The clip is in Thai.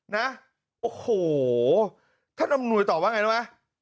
นะโอ้โหท่านอำนวยตอบว่าไงนะวะ